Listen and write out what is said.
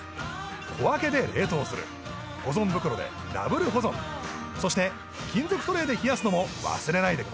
小分けで冷凍する保存袋でダブル保存そして金属トレーで冷やすのも忘れないでくださいね